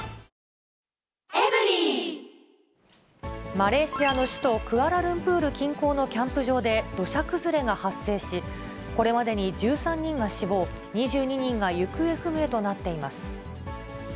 マレーシアの首都クアラルンプール近郊のキャンプ場で、土砂崩れが発生し、これまでに１３人が死亡、２２人が行方不明となっています。